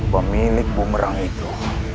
pemilik bumerang itu